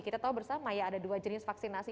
kita tahu bersama ya ada dua jenis vaksinasi